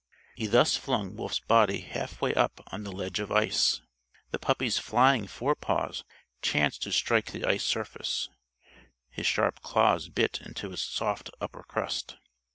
He thus flung Wolf's body halfway up on the ledge of ice. The puppy's flying forepaws chanced to strike the ice surface. His sharp claws bit into its soft upper crust.